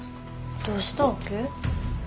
どうしたわけ？